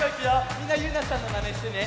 みんなゆうなちゃんのまねしてね！